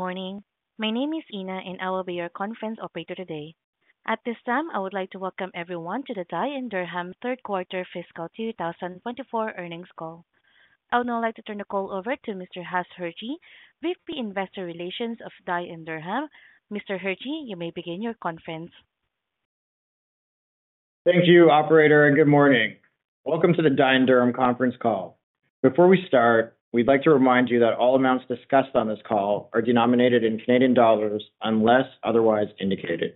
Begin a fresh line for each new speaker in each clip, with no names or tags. Good morning. My name is Ina, and I will be your conference operator today. At this time, I would like to welcome everyone to the Dye & Durham third quarter fiscal 2024 earnings call. I would now like to turn the call over to Mr. Huss Hirji, VP Investor Relations of Dye & Durham. Mr. Hirji, you may begin your conference.
Thank you, operator, and good morning. Welcome to the Dye & Durham conference call. Before we start, we'd like to remind you that all amounts discussed on this call are denominated in Canadian dollars, unless otherwise indicated.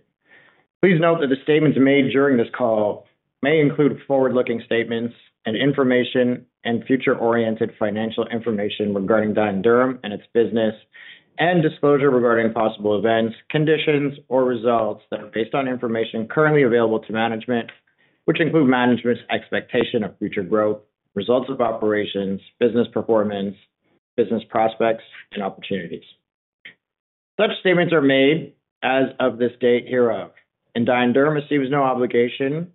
Please note that the statements made during this call may include forward-looking statements and information and future-oriented financial information regarding Dye & Durham and its business, and disclosure regarding possible events, conditions, or results that are based on information currently available to management, which include management's expectation of future growth, results of operations, business performance, business prospects, and opportunities. Such statements are made as of this date hereof, and Dye & Durham assumes no obligation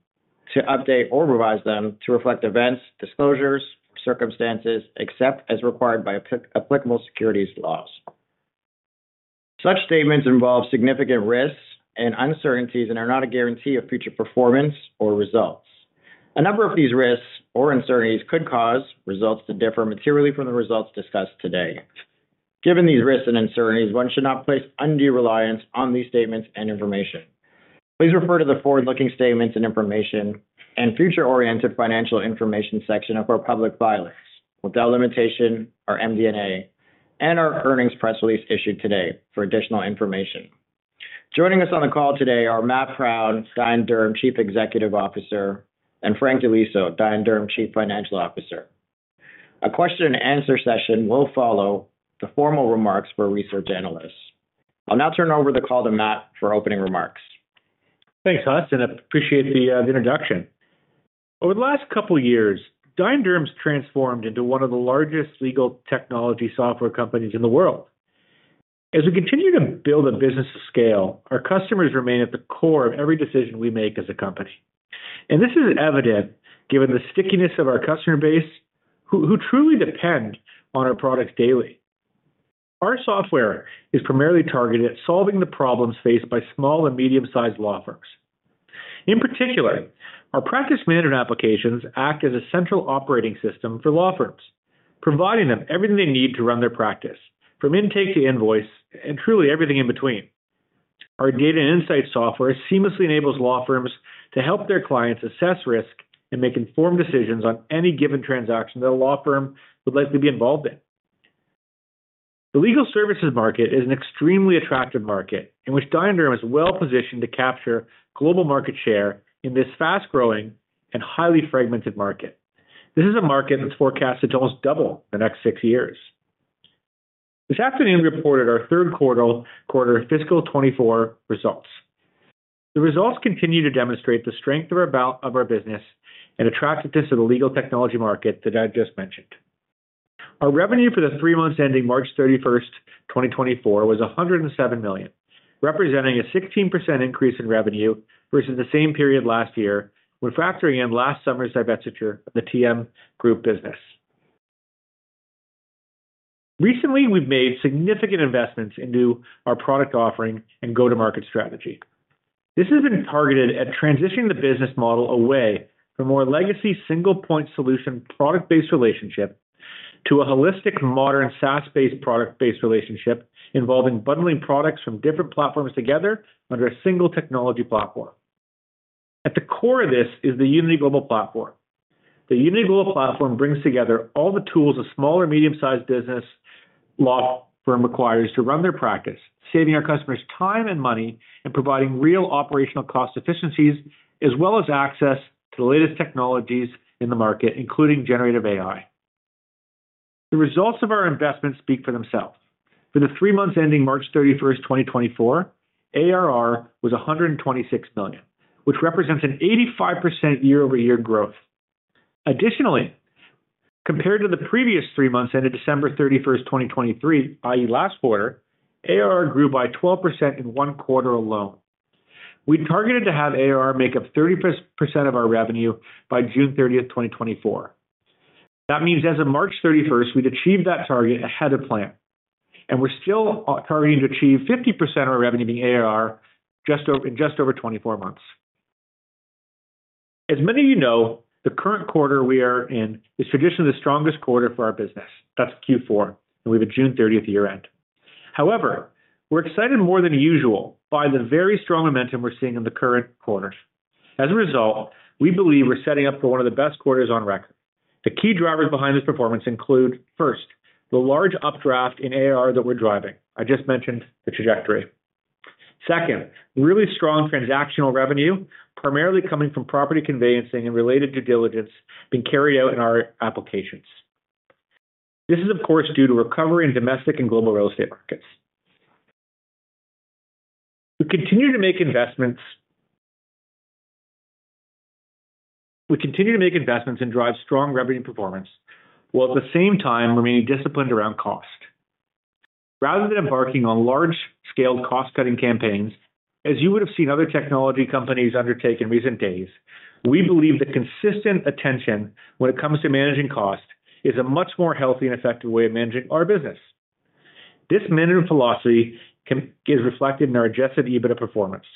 to update or revise them to reflect events, disclosures, circumstances, except as required by applicable securities laws. Such statements involve significant risks and uncertainties and are not a guarantee of future performance or results. A number of these risks or uncertainties could cause results to differ materially from the results discussed today. Given these risks and uncertainties, one should not place undue reliance on these statements and information. Please refer to the forward-looking statements and information and future-oriented financial information section of our public filings, without limitation, our MD&A, and our earnings press release issued today for additional information. Joining us on the call today are Matt Proud, Dye & Durham Chief Executive Officer, and Frank Di Liso, Dye & Durham, Chief Financial Officer. A question and answer session will follow the formal remarks for research analysts. I'll now turn over the call to Matt for opening remarks.
Thanks, Huss, and appreciate the, the introduction. Over the last couple of years, Dye & Durham's transformed into one of the largest legal technology software companies in the world. As we continue to build a business of scale, our customers remain at the core of every decision we make as a company, and this is evident given the stickiness of our customer base, who truly depend on our products daily. Our software is primarily targeted at solving the problems faced by small and medium-sized law firms. In particular, our practice management applications act as a central operating system for law firms, providing them everything they need to run their practice, from intake to invoice and truly everything in between. Our data and insight software seamlessly enables law firms to help their clients assess risk and make informed decisions on any given transaction that a law firm would likely be involved in. The legal services market is an extremely attractive market, in which Dye & Durham is well-positioned to capture global market share in this fast-growing and highly fragmented market. This is a market that's forecasted to almost double in the next six years. This afternoon, we reported our third quarter fiscal 2024 results. The results continue to demonstrate the strength of our business and attractiveness to the legal technology market that I just mentioned. Our revenue for the three months ending March 31st, 2024, was 107 million, representing a 16% increase in revenue versus the same period last year, when factoring in last summer's divestiture of the TM Group business. Recently, we've made significant investments into our product offering and go-to-market strategy. This has been targeted at transitioning the business model away from more legacy, single-point solution, product-based relationship to a holistic, modern, SaaS-based, product-based relationship involving bundling products from different platforms together under a single technology platform. At the core of this is the Unity Global platform. The Unity Global platform brings together all the tools a small or medium-sized business law firm requires to run their practice, saving our customers time and money and providing real operational cost efficiencies, as well as access to the latest technologies in the market, including generative AI. The results of our investments speak for themselves. For the three months ending March 31st, 2024, ARR was 126 million, which represents an 85% year-over-year growth. Additionally, compared to the previous three months, ended December 31st, 2023, i.e., last quarter, ARR grew by 12% in one quarter alone. We'd targeted to have ARR make up 30% of our revenue by June 30th, 2024. That means as of March 31st, we'd achieved that target ahead of plan, and we're still on target to achieve 50% of our revenue being ARR just over—in just over 24 months. As many of you know, the current quarter we are in is traditionally the strongest quarter for our business. That's Q4, and we have a June 30th year-end. However, we're excited more than usual by the very strong momentum we're seeing in the current quarters. As a result, we believe we're setting up for one of the best quarters on record. The key drivers behind this performance include, first, the large updraft in ARR that we're driving. I just mentioned the trajectory. Second, really strong transactional revenue, primarily coming from property conveyancing and related due diligence, being carried out in our applications. This is, of course, due to recovery in domestic and global real estate markets. We continue to make investments and drive strong revenue performance, while at the same time remaining disciplined around cost. Rather than embarking on large-scale cost-cutting campaigns. As you would have seen other technology companies undertake in recent days, we believe that consistent attention when it comes to managing costs is a much more healthy and effective way of managing our business. This minimum velocity is reflected in our adjusted EBITDA performance.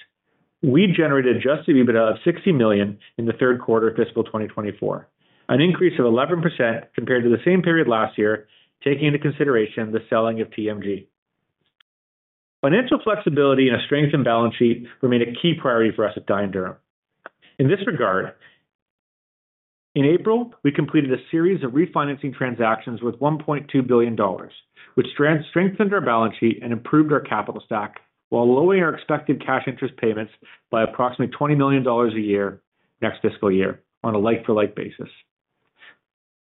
We generated Adjusted EBITDA of 60 million in the third quarter of fiscal 2024, an increase of 11% compared to the same period last year, taking into consideration the selling of TMG. Financial flexibility and a strengthened balance sheet remain a key priority for us at Dye & Durham. In this regard, in April, we completed a series of refinancing transactions with 1.2 billion dollars, which strengthened our balance sheet and improved our capital stack, while lowering our expected cash interest payments by approximately 20 million dollars a year next fiscal year on a like-for-like basis.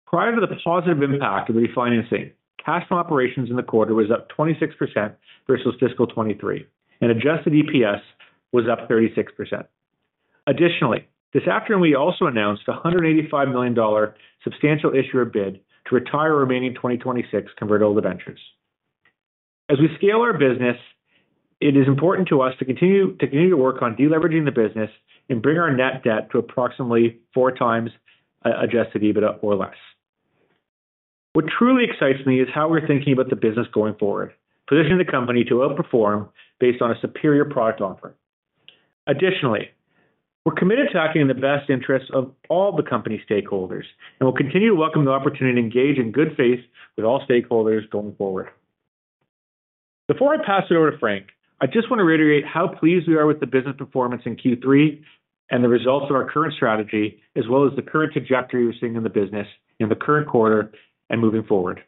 Prior to the positive impact of the refinancing, cash from operations in the quarter was up 26% versus fiscal 2023, and adjusted EPS was up 36%. Additionally, this afternoon, we also announced a 185 million dollar substantial issuer bid to retire remaining 2026 convertible debentures. As we scale our business, it is important to us to continue to work on deleveraging the business and bring our net debt to approximately 4x Adjusted EBITDA or less. What truly excites me is how we're thinking about the business going forward, positioning the company to outperform based on a superior product offering. Additionally, we're committed to acting in the best interests of all the company stakeholders, and we'll continue to welcome the opportunity to engage in good faith with all stakeholders going forward. Before I pass it over to Frank, I just want to reiterate how pleased we are with the business performance in Q3 and the results of our current strategy, as well as the current trajectory we're seeing in the business in the current quarter and moving forward.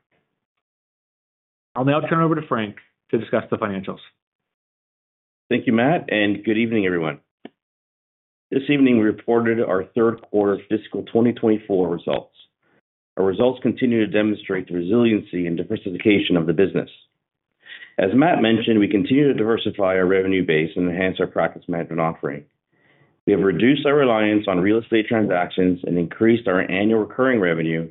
I'll now turn over to Frank to discuss the financials.
Thank you, Matt, and good evening, everyone. This evening, we reported our third quarter fiscal 2024 results. Our results continue to demonstrate the resiliency and diversification of the business. As Matt mentioned, we continue to diversify our revenue base and enhance our practice management offering. We have reduced our reliance on real estate transactions and increased our annual recurring revenue,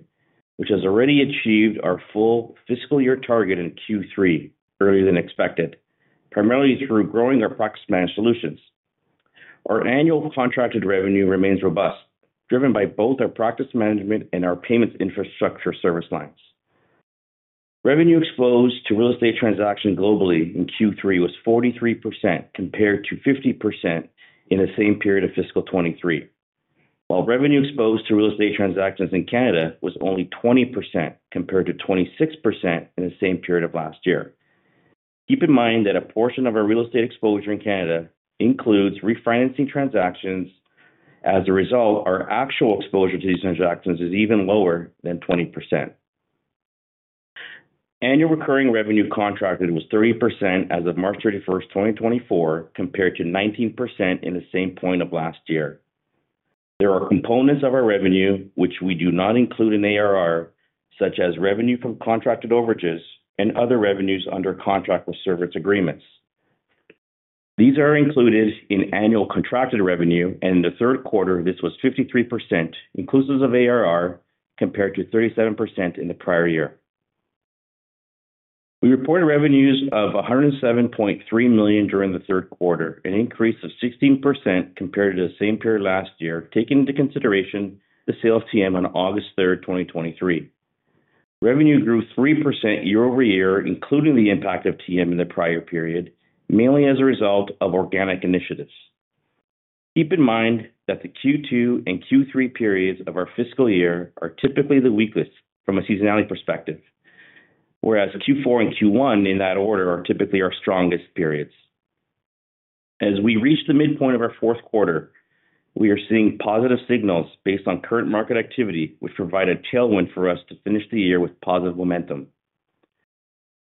which has already achieved our full fiscal year target in Q3, earlier than expected, primarily through growing our practice management solutions. Our annual contracted revenue remains robust, driven by both our practice management and our payments infrastructure service lines. Revenue exposed to real estate transaction globally in Q3 was 43%, compared to 50% in the same period of fiscal 2023. While revenue exposed to real estate transactions in Canada was only 20%, compared to 26% in the same period of last year. Keep in mind that a portion of our real estate exposure in Canada includes refinancing transactions. As a result, our actual exposure to these transactions is even lower than 20%. Annual recurring revenue contracted was 30% as of March 31, 2024, compared to 19% in the same point of last year. There are components of our revenue which we do not include in ARR, such as revenue from contracted overages and other revenues under contract with service agreements. These are included in annual contracted revenue, and in the third quarter, this was 53%, inclusive of ARR, compared to 37% in the prior year. We reported revenues of 107.3 million during the third quarter, an increase of 16% compared to the same period last year, taking into consideration the sale of TM on August 3rd, 2023. Revenue grew 3% year-over-year, including the impact of TM in the prior period, mainly as a result of organic initiatives. Keep in mind that the Q2 and Q3 periods of our fiscal year are typically the weakest from a seasonality perspective, whereas Q4 and Q1, in that order, are typically our strongest periods. As we reach the midpoint of our fourth quarter, we are seeing positive signals based on current market activity, which provide a tailwind for us to finish the year with positive momentum.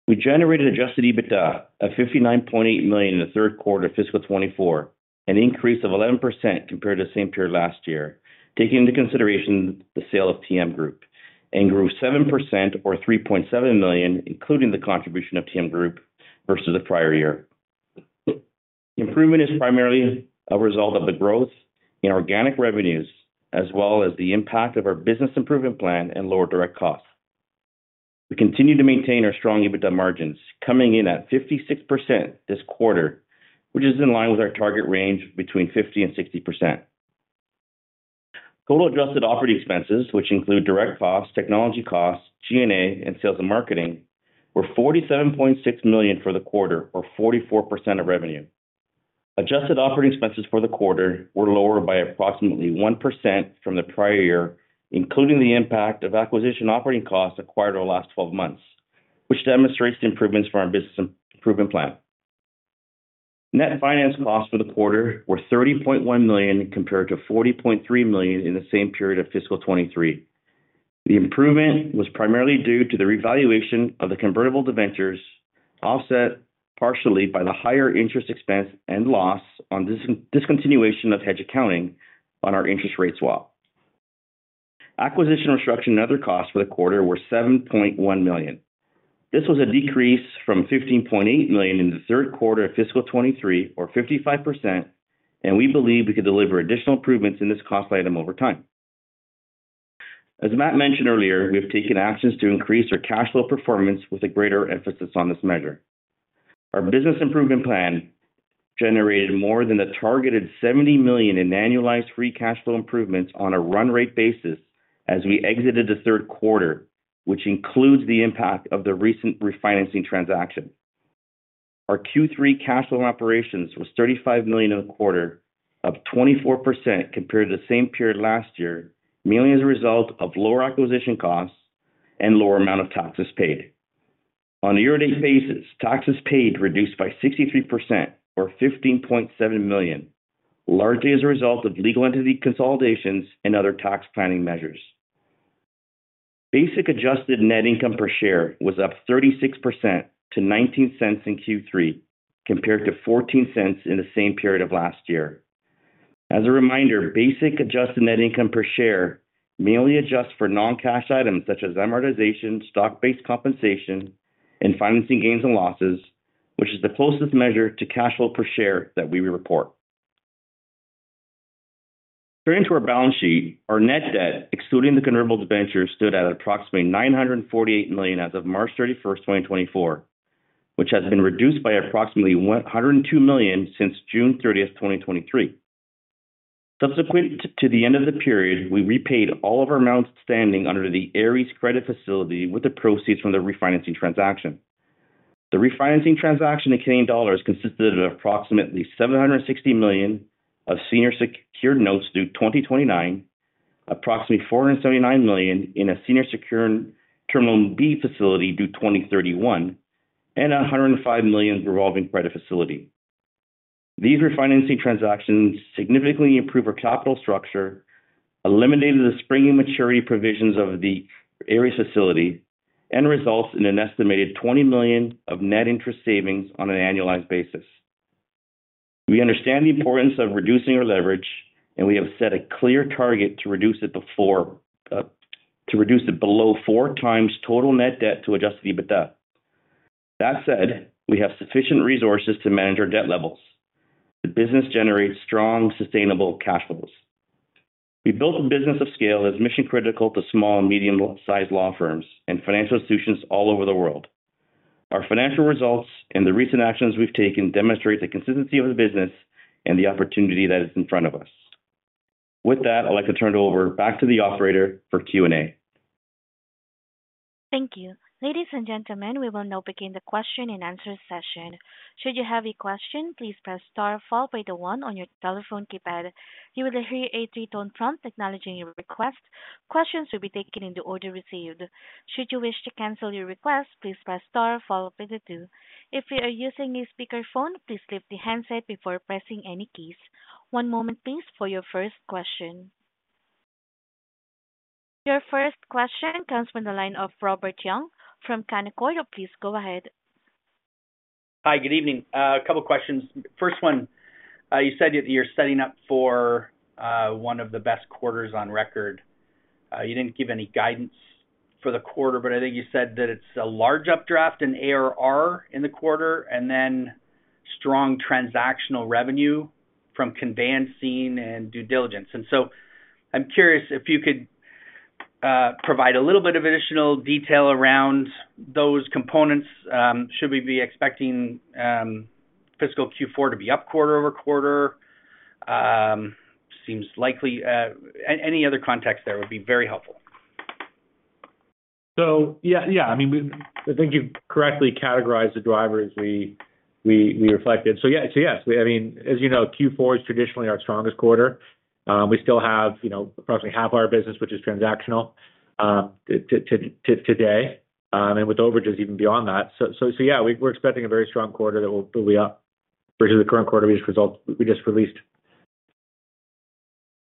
We generated adjusted EBITDA of 59.8 million in the third quarter of fiscal 2024, an increase of 11% compared to the same period last year, taking into consideration the sale of TM Group, and grew 7% or 3.7 million, including the contribution of TM Group versus the prior year. Improvement is primarily a result of the growth in organic revenues, as well as the impact of our business improvement plan and lower direct costs. We continue to maintain our strong EBITDA margins, coming in at 56% this quarter, which is in line with our target range between 50% and 60%. Total adjusted operating expenses, which include direct costs, technology costs, G&A, and sales and marketing, were 47.6 million for the quarter, or 44% of revenue. Adjusted operating expenses for the quarter were lower by approximately 1% from the prior year, including the impact of acquisition operating costs acquired over the last 12 months, which demonstrates the improvements from our business improvement plan. Net finance costs for the quarter were 30.1 million, compared to 40.3 million in the same period of fiscal 2023. The improvement was primarily due to the revaluation of the convertible debentures, offset partially by the higher interest expense and loss on discontinuation of hedge accounting on our interest rate swap. Acquisition, restructuring, and other costs for the quarter were 7.1 million. This was a decrease from 15.8 million in the third quarter of fiscal 2023 or 55%, and we believe we could deliver additional improvements in this cost item over time.... As Matt mentioned earlier, we have taken actions to increase our cash flow performance with a greater emphasis on this measure. Our business improvement plan generated more than the targeted 70 million in annualized free cash flow improvements on a run rate basis as we exited the third quarter, which includes the impact of the recent refinancing transaction. Our Q3 cash flow operations was 35 million in the quarter, up 24% compared to the same period last year, mainly as a result of lower acquisition costs and lower amount of taxes paid. On a year-to-date basis, taxes paid reduced by 63% or 15.7 million, largely as a result of legal entity consolidations and other tax planning measures. Basic adjusted net income per share was up 36% to 0.19 in Q3, compared to 0.14 in the same period of last year. As a reminder, basic adjusted net income per share mainly adjusts for non-cash items such as amortization, stock-based compensation, and financing gains and losses, which is the closest measure to cash flow per share that we report. Turning to our balance sheet, our net debt, excluding the convertible debentures, stood at approximately 948 million as of March 31st, 2024, which has been reduced by approximately 102 million since June 30th, 2023. Subsequent to the end of the period, we repaid all of our amounts standing under the Ares credit facility with the proceeds from the refinancing transaction. The refinancing transaction in Canadian dollars consisted of approximately 760 million of senior secured notes due 2029, approximately 479 million in a senior secured Term Loan B facility due 2031, and 105 million revolving credit facility. These refinancing transactions significantly improve our capital structure, eliminated the springing maturity provisions of the Ares facility, and results in an estimated 20 million of net interest savings on an annualized basis. We understand the importance of reducing our leverage, and we have set a clear target to reduce it before, to reduce it below 4x total net debt to adjusted EBITDA. That said, we have sufficient resources to manage our debt levels. The business generates strong, sustainable cash flows. We built a business of scale that is mission-critical to small and medium-sized law firms and financial institutions all over the world. Our financial results and the recent actions we've taken demonstrate the consistency of the business and the opportunity that is in front of us. With that, I'd like to turn it over back to the operator for Q&A.
Thank you. Ladies and gentlemen, we will now begin the question-and-answer session. Should you have a question, please press star followed by the one on your telephone keypad. You will hear a three-tone prompt acknowledging your request. Questions will be taken in the order received. Should you wish to cancel your request, please press star followed by the two. If you are using a speakerphone, please lift the handset before pressing any keys. One moment, please, for your first question. Your first question comes from the line of Robert Young from Canaccord. Please go ahead.
Hi, good evening. A couple questions. First one, you said that you're setting up for one of the best quarters on record. You didn't give any guidance for the quarter, but I think you said that it's a large updraft in ARR in the quarter, and then strong transactional revenue from conveyancing and due diligence. And so I'm curious if you could provide a little bit of additional detail around those components. Should we be expecting Fiscal Q4 to be up quarter over quarter? Seems likely. Any other context there would be very helpful.
So yeah. Yeah, I mean, I think you've correctly categorized the drivers we reflected. So yeah. So yes, I mean, as you know, Q4 is traditionally our strongest quarter. We still have, you know, approximately half of our business, which is transactional, today, and with overages even beyond that. So, yeah, we're expecting a very strong quarter that will be up versus the current quarter results we just released.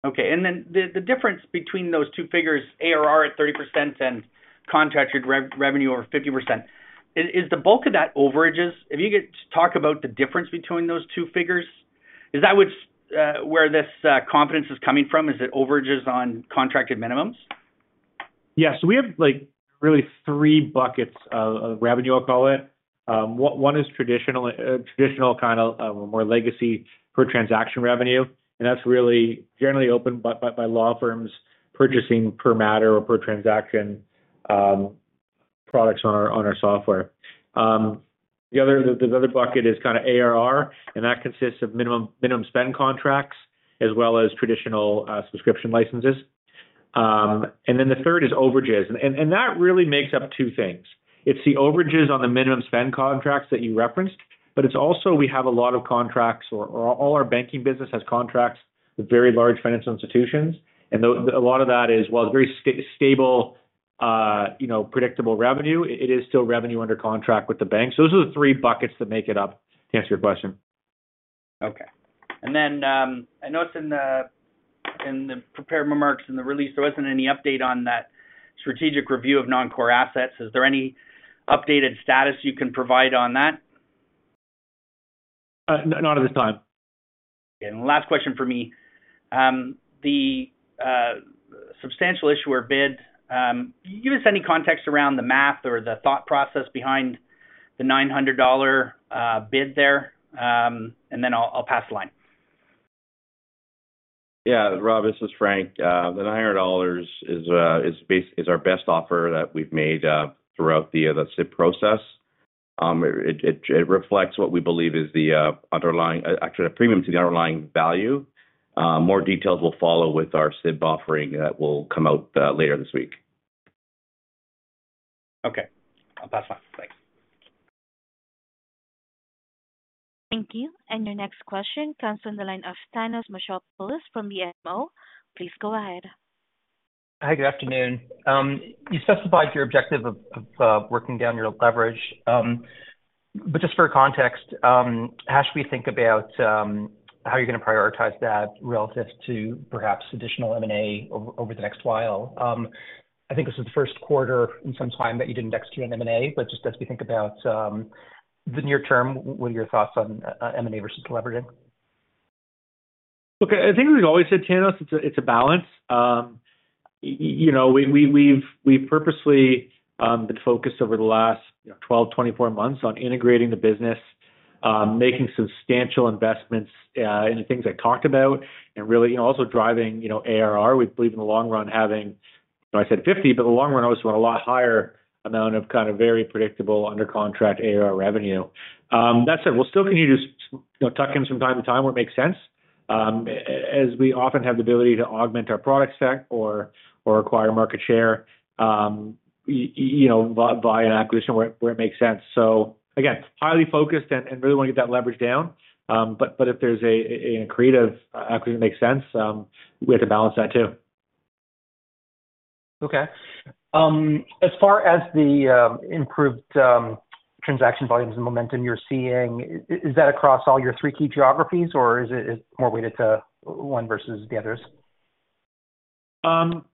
Okay. And then the difference between those two figures, ARR at 30% and contracted revenue over 50%, is the bulk of that overages? If you could just talk about the difference between those two figures, is that what's where this confidence is coming from? Is it overages on contracted minimums?
Yeah. So we have, like, really three buckets of revenue, I'll call it. One is traditional, traditional, kind of, more legacy per-transaction revenue, and that's really generally opened by law firms purchasing per matter or per transaction products on our software. The other bucket is kind of ARR, and that consists of minimum spend contracts, as well as traditional subscription licenses. And then the third is overages, and that really makes up two things. It's the overages on the minimum spend contracts that you referenced, but it's also we have a lot of contracts or all our banking business has contracts with very large financial institutions, and a lot of that is, while it's very stable, you know, predictable revenue, it is still revenue under contract with the bank. Those are the three buckets that make it up, to answer your question.
Okay. Then, I noticed in the prepared remarks in the release, there wasn't any update on that strategic review of non-core assets. Is there any updated status you can provide on that?
Not at this time.
Last question for me. The Substantial Issuer Bid, can you give us any context around the math or the thought process behind the 900 dollar bid there? Then I'll pass the line....
Yeah, Rob, this is Frank. The 900 dollars is our best offer that we've made throughout the SIB process. It reflects what we believe is the underlying actually the premium to the underlying value. More details will follow with our SIB offering that will come out later this week.
Okay. That's fine. Thanks.
Thank you. Your next question comes from the line of Thanos Moschopoulos from BMO. Please go ahead.
Hi, good afternoon. You specified your objective of working down your leverage. But just for context, how should we think about how you're gonna prioritize that relative to perhaps additional M&A over the next while? I think this is the first quarter in some time that you didn't execute on M&A, but just as we think about the near term, what are your thoughts on M&A versus leveraging?
Look, I think we've always said, Thanos, it's a, it's a balance. You know, we've purposely been focused over the last 12 months, 24 months on integrating the business, making substantial investments in the things I talked about, and really also driving, you know, ARR. We believe in the long run, having I said 50, but in the long run, I always want a lot higher amount of kind of very predictable under contract ARR revenue. That said, we're still going to just, you know, tuck in from time to time where it makes sense, as we often have the ability to augment our product stack or acquire market share, you know, by an acquisition where it makes sense. So again, highly focused and really want to get that leverage down. If there's a creative acquisition that makes sense, we have to balance that too.
Okay. As far as the improved transaction volumes and momentum you're seeing, is that across all your three key geographies, or is it more weighted to one versus the others?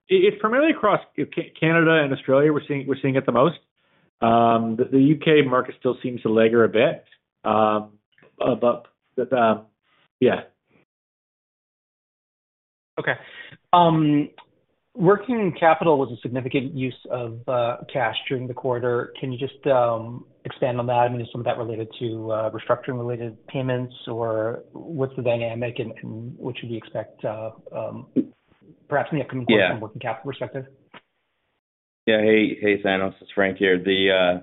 It's primarily across Canada and Australia, we're seeing it the most. The UK market still seems to lag a bit, but... Yeah.
Okay. Working capital was a significant use of cash during the quarter. Can you just expand on that? I mean, is some of that related to restructuring-related payments, or what's the dynamic and what should we expect, perhaps in the upcoming quarter?
Yeah...
from a working capital perspective?
Yeah. Hey, hey, Thanos, it's Frank here. The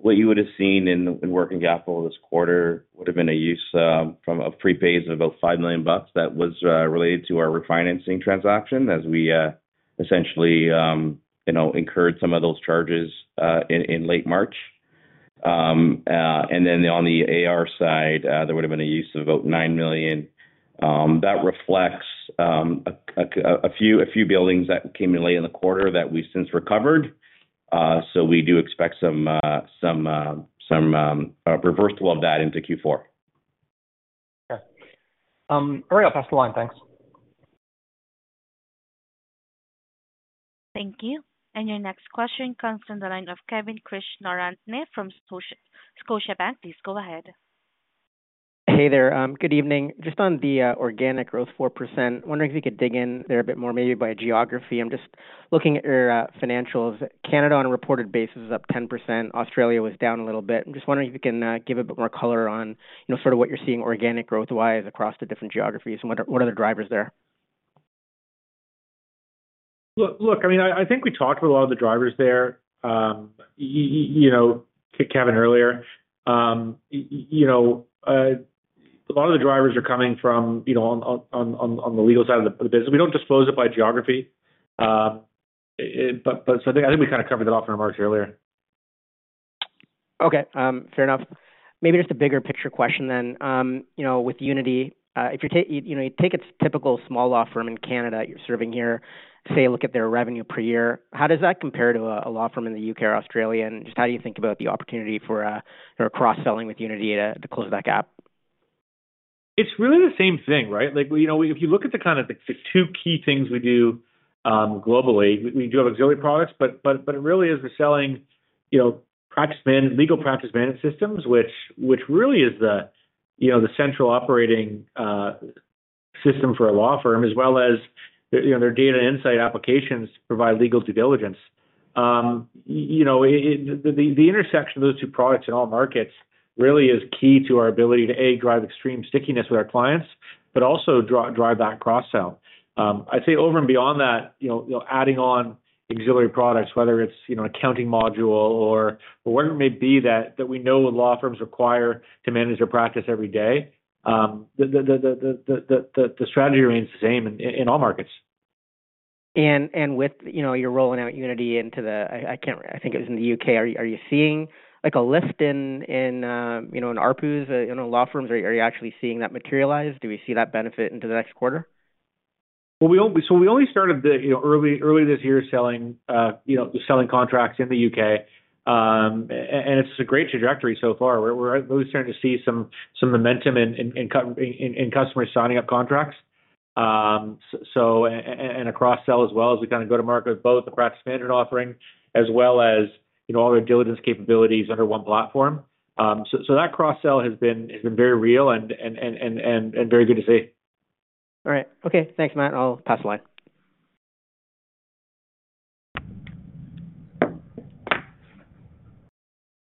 what you would have seen in working capital this quarter would have been a use from a prepay of about 5 million bucks that was related to our refinancing transaction, as we essentially you know incurred some of those charges in late March. And then on the AR side there would have been a use of about 9 million. That reflects a few buildings that came in late in the quarter that we've since recovered. So we do expect some reversal of that into Q4.
Okay. All right. I'll pass the line. Thanks.
Thank you. And your next question comes from the line of Kevin Krishnayer from Scotiabank. Please go ahead.
Hey there, good evening. Just on the organic growth, 4%. Wondering if you could dig in there a bit more, maybe by geography. I'm just looking at your financials. Canada, on a reported basis, is up 10%. Australia was down a little bit. I'm just wondering if you can give a bit more color on, you know, sort of what you're seeing organic growth-wise across the different geographies and what are the drivers there?
Look, look, I mean, I, I think we talked about a lot of the drivers there. You know, Kevin, earlier, you know, a lot of the drivers are coming from, you know, on the legal side of the business. We don't disclose it by geography. It, but so I think we kind of covered it off in our remarks earlier.
Okay, fair enough. Maybe just a bigger picture question then. You know, with Unity, if you take, you know, take a typical small law firm in Canada you're serving here, say, look at their revenue per year. How does that compare to a law firm in the UK or Australia? And just how do you think about the opportunity for cross-selling with Unity to close that gap?
It's really the same thing, right? Like, you know, if you look at the kind of the two key things we do globally, we do have auxiliary products, but it really is the selling, you know, legal practice management systems, which really is the, you know, the central operating system for a law firm, as well as, you know, their data and insight applications provide legal due diligence. You know, it, it. The intersection of those two products in all markets really is key to our ability to, A, drive extreme stickiness with our clients, but also drive that cross-sell. I'd say over and beyond that, you know, you know, adding on auxiliary products, whether it's, you know, an accounting module or whatever it may be, that we know law firms require to manage their practice every day. The strategy remains the same in all markets.
And with, you know, you're rolling out Unity into the... I can't-- I think it was in the UK. Are you seeing like a lift in, you know, in ARPUs, you know, law firms? Are you actually seeing that materialize? Do we see that benefit into the next quarter?
Well, so we only started, you know, early this year selling, you know, selling contracts in the UK. And it's a great trajectory so far. We're really starting to see some momentum in customers signing up contracts. So, and a cross-sell as well as we kind of go to market with both the practice standard offering as well as, you know, all their diligence capabilities under one platform. So, that cross-sell has been very real and very good to see.
All right. Okay, thanks, Matt. I'll pass the line....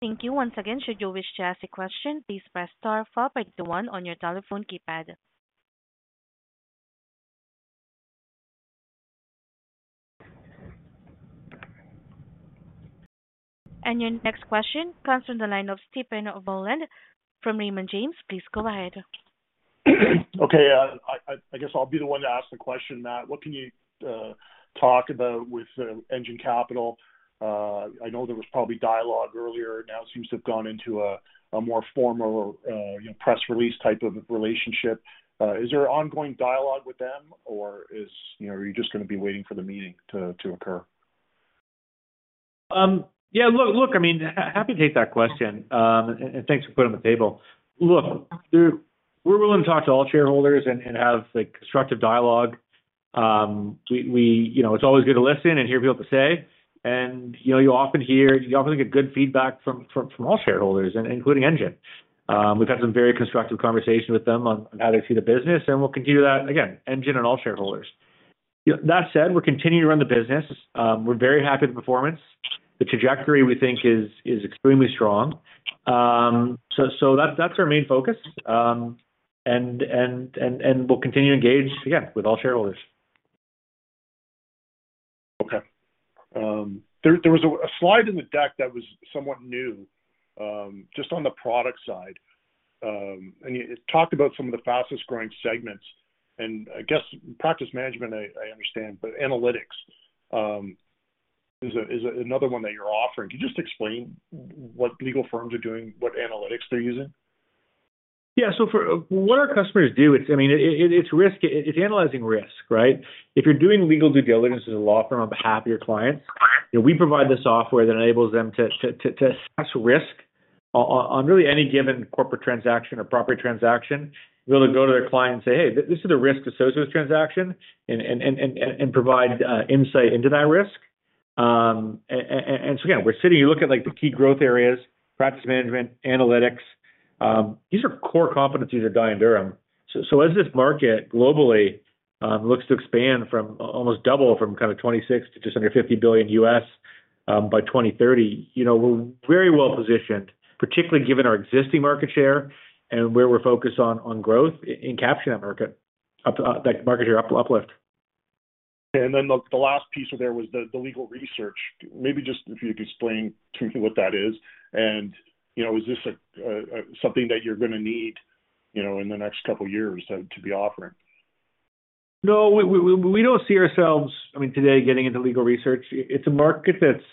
Thank you. Once again, should you wish to ask a question, please press star followed by one on your telephone keypad. And your next question comes from the line of Stephen Boland from Raymond James. Please go ahead.
Okay, I guess I'll be the one to ask the question, Matt. What can you talk about with Engine Capital? I know there was probably dialogue earlier; now seems to have gone into a more formal, you know, press release type of relationship. Is there ongoing dialogue with them, or, you know, are you just gonna be waiting for the meeting to occur?
Yeah, look, I mean, happy to take that question. And thanks for putting on the table. Look, we're willing to talk to all shareholders and have, like, constructive dialogue. We, you know, it's always good to listen and hear what people have to say. And, you know, you often get good feedback from all shareholders, including Engine. We've had some very constructive conversations with them on how they see the business, and we'll continue that, again, Engine and all shareholders. You know, that said, we're continuing to run the business. We're very happy with the performance. The trajectory, we think, is extremely strong. So that's our main focus. And we'll continue to engage, again, with all shareholders.
Okay. There was a slide in the deck that was somewhat new, just on the product side. It talked about some of the fastest growing segments, and I guess practice management, I understand, but analytics is another one that you're offering. Can you just explain what legal firms are doing, what analytics they're using?
Yeah. So what our customers do, it's, I mean, it's risk—it's analyzing risk, right? If you're doing legal due diligence as a law firm on behalf of your clients, you know, we provide the software that enables them to assess risk on really any given corporate transaction or property transaction, be able to go to their client and say, "Hey, this is the risk associated with transaction," and provide insight into that risk. And so again, we're sitting, you look at, like, the key growth areas, practice management, analytics, these are core competencies of Dye & Durham. So, as this market globally, looks to expand from almost double from kind of $26 billion to just under $50 billion, by 2030, you know, we're very well positioned, particularly given our existing market share and where we're focused on growth in capturing that market, that market share uplift.
And then the last piece there was the legal research. Maybe just if you could explain to me what that is, and, you know, is this a something that you're gonna need, you know, in the next couple of years to be offering?
No, we don't see ourselves, I mean, today, getting into legal research. It's a market that's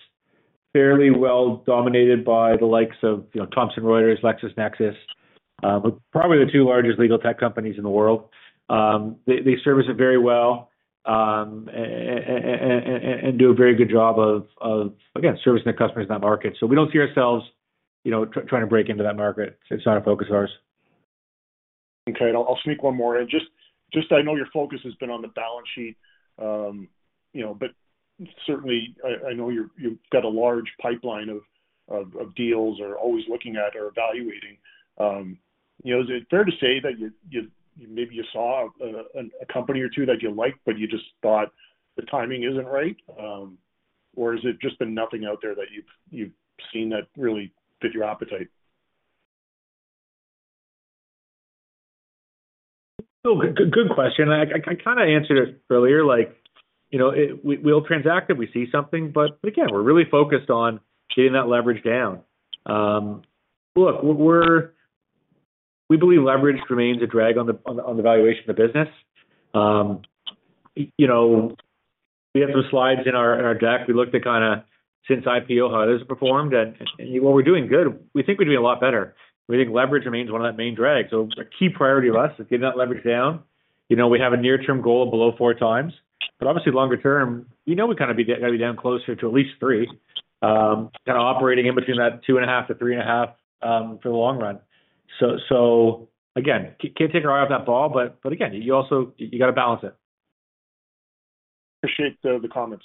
fairly well dominated by the likes of, you know, Thomson Reuters, LexisNexis, but probably the two largest legal tech companies in the world. They service it very well and do a very good job of, again, servicing the customers in that market. So we don't see ourselves, you know, trying to break into that market. It's not a focus of ours.
Okay. I'll sneak one more in. Just, I know your focus has been on the balance sheet, you know, but certainly, I know you've got a large pipeline of deals or always looking at or evaluating. You know, is it fair to say that you maybe you saw a company or two that you liked, but you just thought the timing isn't right? Or has it just been nothing out there that you've seen that really fit your appetite?
Oh, good, good question. I kind of answered it earlier. Like, you know, we'll transact if we see something, but again, we're really focused on getting that leverage down. Look, we're -- we believe leverage remains a drag on the valuation of the business. You know, we have those slides in our deck. We looked at kind of since IPO, how it has performed, and while we're doing good, we think we're doing a lot better. We think leverage remains one of the main drags. So a key priority of us is getting that leverage down. You know, we have a near-term goal of below 4x, but obviously, longer term, we know we kind of got to be down closer to at least 3x, kind of operating in between that 2.5x-3.5x, for the long run. So, so again, can't take our eye off that ball, but, but again, you also, you got to balance it.
Appreciate the comments.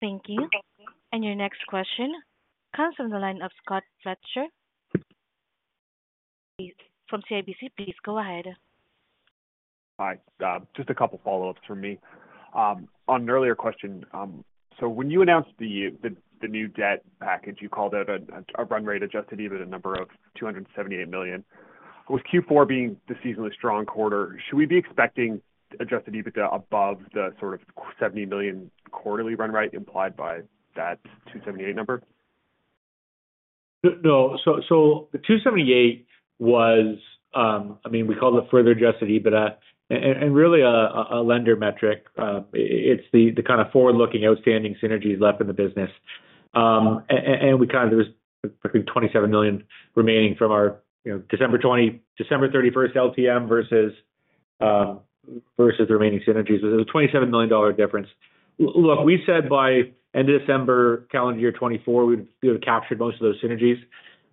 Thank you. And your next question comes from the line of Scott Fletcher from CIBC. Please go ahead.
Hi. Just a couple follow-ups from me. On an earlier question, so when you announced the new debt package, you called out a run rate adjusted EBITDA number of 278 million. With Q4 being the seasonally strong quarter, should we be expecting adjusted EBITDA above the sort of 70 million quarterly run rate implied by that 278 number?
No. So, the 278 was, I mean, we called it further adjusted EBITDA, and really a lender metric. It's the kind of forward-looking, outstanding synergies left in the business. And there was, I think, 27 million remaining from our, you know, December 31 LTM versus the remaining synergies. It was a 27 million dollar difference. Look, we said by end of December, calendar year 2024, we'd captured most of those synergies.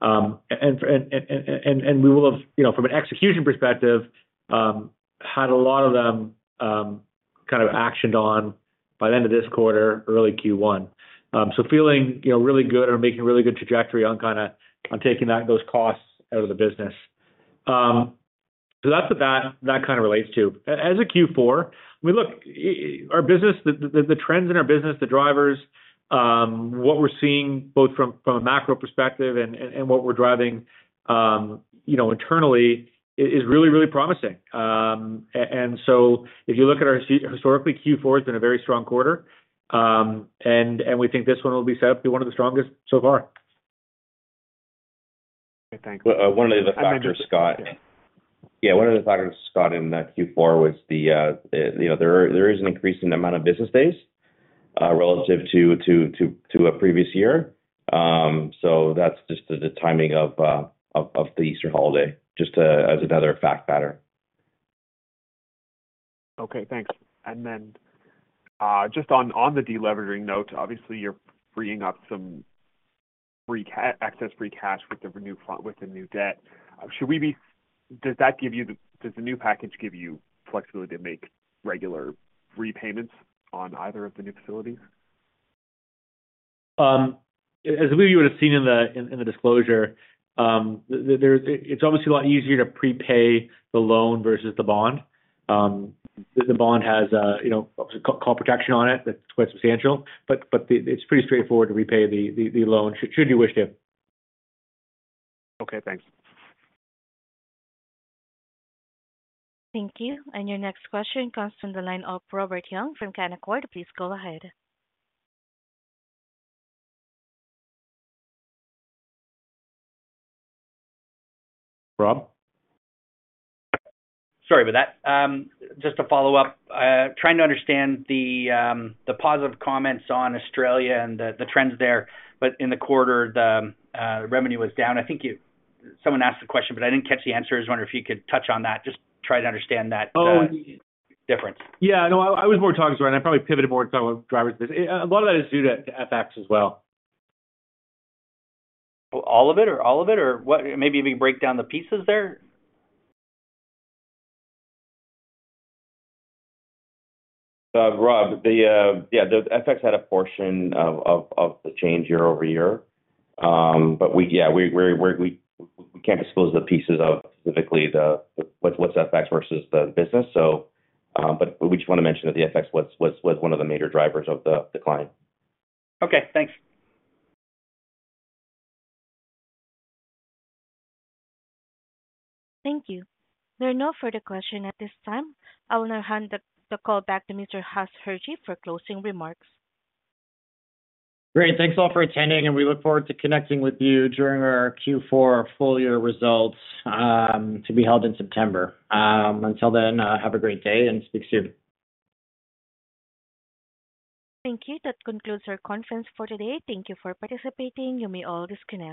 And we will have, you know, from an execution perspective, had a lot of them kind of actioned on by the end of this quarter, early Q1. So feeling, you know, really good or making really good trajectory on kind of- on taking that, those costs out of the business. So that's what that, that kind of relates to. As a Q4, I mean, look, our business, the trends in our business, the drivers, what we're seeing both from a macro perspective and what we're driving, you know, internally is really, really promising. And so if you look at our historically, Q4 has been a very strong quarter. And we think this one will be set up to be one of the strongest so far.
Okay, thank you.
Well, one of the factors, Scott... Yeah, one of the factors, Scott, in that Q4 was the, you know, there is an increase in the amount of business days, relative to a previous year. So that's just the timing of the Easter holiday, just as another fact pattern.
Okay, thanks. Just on the deleveraging note, obviously you're freeing up some excess free cash with the refinance, with the new debt. Does the new package give you flexibility to make regular repayments on either of the new facilities?
As we would have seen in the disclosure, it's obviously a lot easier to prepay the loan versus the bond. The bond has, you know, call protection on it, that's quite substantial. But it's pretty straightforward to repay the loan, should you wish to.
Okay, thanks.
Thank you. And your next question comes from the line of Robert Young from Canaccord. Please go ahead.
Rob?
Sorry about that. Just to follow up, trying to understand the, the positive comments on Australia and the, the trends there. But in the quarter, the revenue was down. I think you-- someone asked the question, but I didn't catch the answer. I was wondering if you could touch on that, just try to understand that, difference.
Yeah. No, I was more talking about, and I probably pivoted more to talk about drivers. A lot of that is due to FX as well.
All of it, or all of it? Or what? Maybe if you break down the pieces there.
Rob, the FX had a portion of the change year-over-year. But we can't disclose the pieces of specifically what's FX versus the business. So, but we just want to mention that the FX was one of the major drivers of the decline.
Okay, thanks.
Thank you. There are no further questions at this time. I will now hand the call back to Mr. Huss Hirji for closing remarks.
Great. Thanks, all, for attending, and we look forward to connecting with you during our Q4 full year results, to be held in September. Until then, have a great day, and speak soon.
Thank you. That concludes our conference for today. Thank you for participating. You may all disconnect.